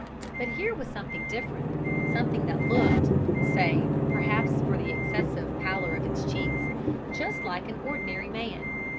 But here was something different, something that looked save, perhaps, for the excessive pallor of its cheeks just like an ordinary man.